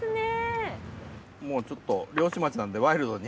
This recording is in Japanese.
もうちょっと漁師町なんでワイルドに。